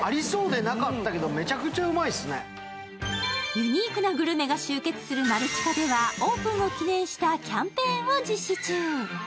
ユニークなグルメが集結するマルチカでは、オープンを記念したキャンペーンを実施中。